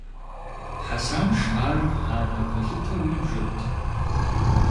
Хьэсанш ар анэ пэлъытэу ибжырт.